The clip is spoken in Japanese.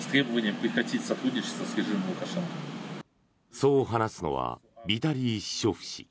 そう話すのはビタリー・シショフ氏。